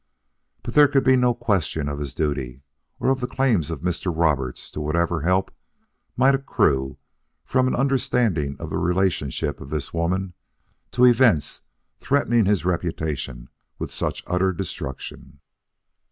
But there could be no question of his duty, or of the claims of Mr. Roberts to whatever help might accrue from an understanding of the relation of this woman to events threatening his reputation with such utter destruction.